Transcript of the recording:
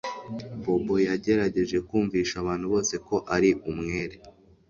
Bobo yagerageje kumvisha abantu bose ko ari umwere